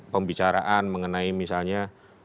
pembicaraan mengenai misalnya